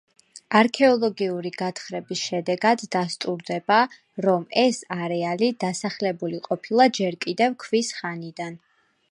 არქეოლოგიური გათხრების შედეგად დასტურდება, რომ ეს არეალი დასახლებული ყოფილა ჯერ კიდევ ქვის ხანიდან.